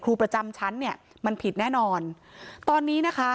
ครูประจำชั้นเนี่ยมันผิดแน่นอนตอนนี้นะคะ